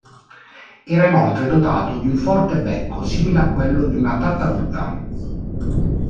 Era inoltre dotato di un forte becco simile a quello di una tartaruga.